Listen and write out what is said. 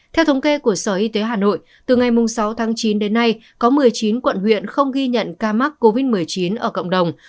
theo thống kê của sở y tế hà nội từ ngày sáu tháng chín đến nay có một mươi chín quận huyện không ghi nhận ca mắc covid một mươi chín ở cộng đồng